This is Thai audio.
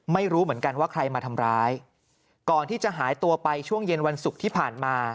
ไม่รู้เหมือนกันว่าใครมาทำร้ายก่อนที่จะหายตัวไปช่วงเย็นวันศุกร์ที่ผ่านมา